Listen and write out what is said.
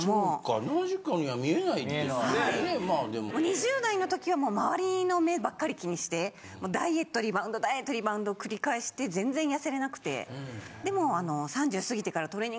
２０代の時はもう周りの目ばっかり気にしてダイエットリバウンドを繰り返して全然痩せれなくて。